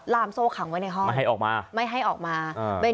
ลามโซ่ขังไว้ในห้องไม่ให้ออกมา